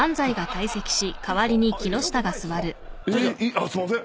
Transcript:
あっすいません。